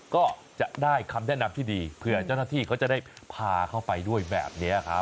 ก็จะได้คำแนะนำที่ดีเผื่อเจ้าหน้าที่เขาจะได้พาเขาไปด้วยแบบนี้ครับ